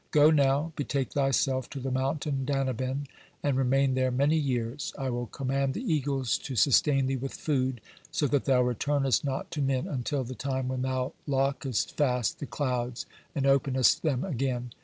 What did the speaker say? Go now, betake thyself to the mountain Danaben, and remain there many years. I will command the eagles to sustain thee with food, so that thou returnest not to men until the time when thou lockest fast the clouds and openest them again.